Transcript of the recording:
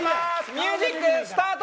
ミュージックスタート！